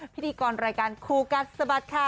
พิธีกรรายการครูกัสสบัติค่ะ